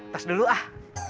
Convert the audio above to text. tes dulu ah